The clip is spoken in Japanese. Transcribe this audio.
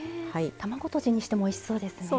卵とじにしてもおいしそうですね。